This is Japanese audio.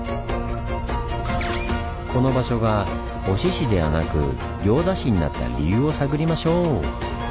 この場所が忍市ではなく行田市になった理由を探りましょう！